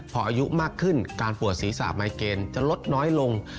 พออายุมากขึ้นการปวดศีรษะไมเกณฑ์จะลดน้อยลง